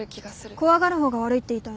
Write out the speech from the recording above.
怖がる方が悪いって言いたいの？